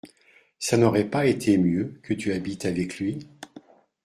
Ça n’aurait pas été mieux que tu habites avec lui ?